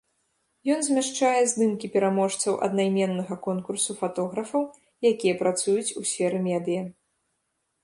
Ён змяшчае здымкі пераможцаў аднайменнага конкурсу фатографаў, якія працуюць у сферы медыя.